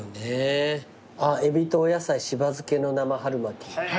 海老とお野菜・しば漬けの生春巻き。